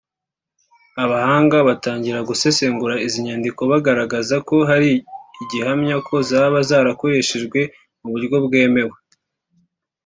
Abahanga batangiye gusesengura izi nyandiko bagaragaza ko hari igihamya ko zaba zarakoreshejwe mu buryo bwemewe